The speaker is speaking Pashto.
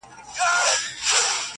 په دې زور سو له لحده پاڅېدلای!